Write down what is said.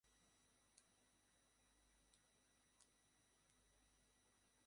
Cyber crime unit তাদের কথা শুনছে, এবং ডাক্তাররা তাকে এখন নির্দেশনা দিচ্ছেন।